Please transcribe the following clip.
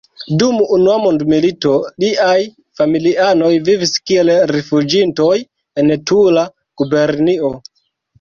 Dum Unua mondmilito, liaj familianoj vivis kiel rifuĝintoj en Tula gubernio.